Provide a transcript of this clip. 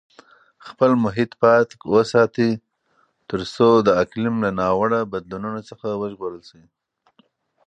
خپل محیط پاک وساتئ ترڅو د اقلیم له ناوړه بدلونونو څخه وژغورل شئ.